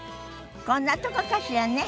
こんなとこかしらね。